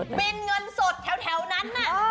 บินเงินสดแถวนั้นน่ะ